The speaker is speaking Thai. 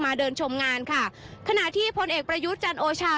เดินชมงานค่ะขณะที่พลเอกประยุทธ์จันโอชา